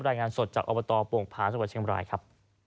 รายงานสดจากอบตโป่งผาจังหวัดเชียงบรายครับ